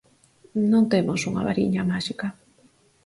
Non temos unha variña máxica.